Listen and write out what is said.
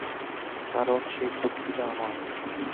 কারণ সেই চুক্তিটা আমার।